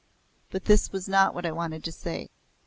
But this was not what I wanted to say.